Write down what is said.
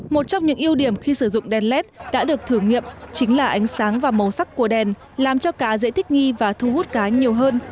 một trong những ưu điểm khi sử dụng đèn led đã được thử nghiệm chính là ánh sáng và màu sắc của đèn làm cho cá dễ thích nghi và thu hút cá nhiều hơn